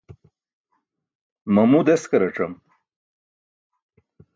mamu deskaracam